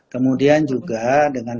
kemudian juga dengan